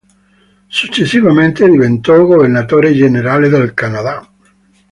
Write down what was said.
Successivamente diventò Governatore generale del Canada.